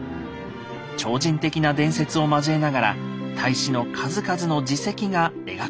超人的な伝説を交えながら太子の数々の事績が描かれています。